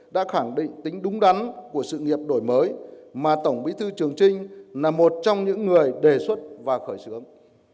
đã khẳng định tính đúng đắn của sự nghiệp đổi mới mà tổng bí thư trường trinh là một trong những người đề xuất và khởi xướng